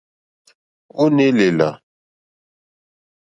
Ó ǃné lèlà.